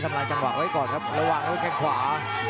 ลายจังหวะไว้ก่อนครับระหว่างด้วยแข้งขวา